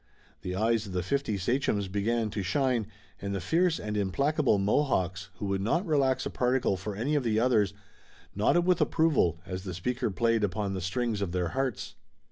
The eyes of the fifty sachems began to shine and the fierce and implacable Mohawks, who would not relax a particle for any of the others, nodded with approval, as the speaker played upon the strings of their hearts.